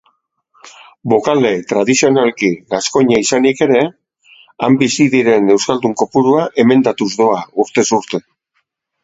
Bokale tradizionalki gaskoina izanik ere, han bizi diren euskaldun kopurua emendatuz doa urtez urte.